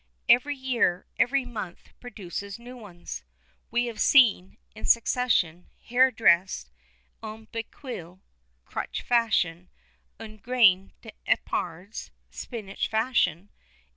Every year, every month, produces new ones. We have seen, in succession, hair dressed en bequille (crutch fashion), en graine d'epinards (spinach fashion!)